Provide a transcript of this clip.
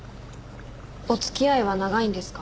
お付き合いは長いんですか？